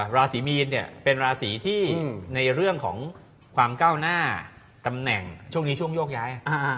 ราศีมีนเนี่ยเป็นราศีที่ในเรื่องของความก้าวหน้าตำแหน่งช่วงนี้ช่วงโยกย้าย